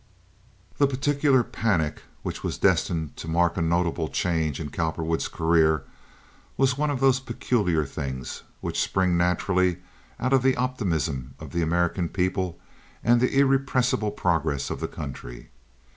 This particular panic, which was destined to mark a notable change in Cowperwood's career, was one of those peculiar things which spring naturally out of the optimism of the American people and the irrepressible progress of the country.